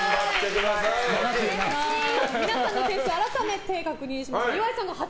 皆さんの点数を改めて確認しましょう。